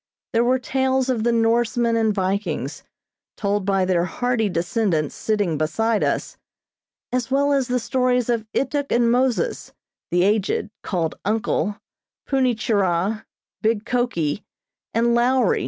There were tales of the Norsemen and Vikings, told by their hardy descendants sitting beside us, as well as the stories of Ituk and Moses, the aged, called "Uncle," Punni Churah, big Koki, and "Lowri."